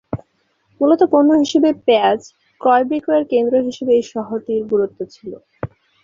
মূলত পণ্য হিসেবে পেঁয়াজ ক্রয়-বিক্রয়ের কেন্দ্র হিসেবে এই শহরটির গুরুত্ব ছিল।